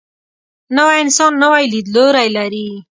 نوی انسان نوی لیدلوری لري